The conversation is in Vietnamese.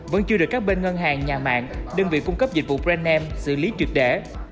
vẫn chưa được các bên ngân hàng nhà mạng đơn vị cung cấp dịch vụ brandname xử lý truyệt để